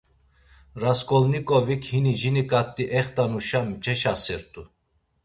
Rasǩolnikovik, hini jini ǩat̆i ext̆anuşa, mç̌eşasert̆u.